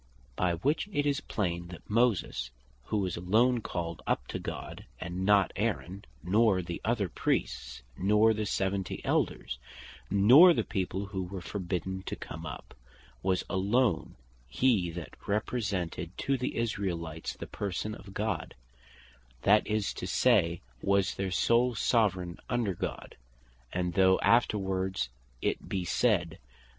By which it is plain, that Moses who was alone called up to God, (and not Aaron, nor the other Priests, nor the Seventy Elders, nor the People who were forbidden to come up) was alone he, that represented to the Israelites the Person of God; that is to say, was their sole Soveraign under God. And though afterwards it be said (verse 9.)